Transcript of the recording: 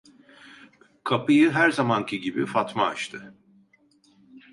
Kapıyı her zamanki gibi Fatma açtı.